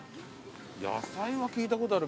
野菜は聞いたことあるけどさ。